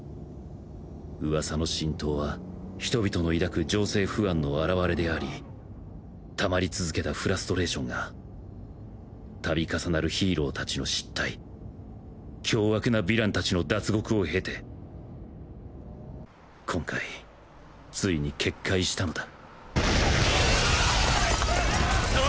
噂の浸透は人々の抱く情勢不安の表れであり溜まり続けたフラストレーションが度重なるヒーロー達の失態凶悪なヴィラン達の脱獄を経て今回遂に決壊したのだきゃああっ！